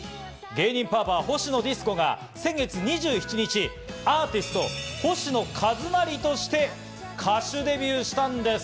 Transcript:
芸人・パーパー、ほしのディスコが先月２７日にアーティスト、星野一成として歌手デビューしたんです。